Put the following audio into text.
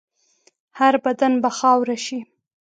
هر بدن به خاوره شي.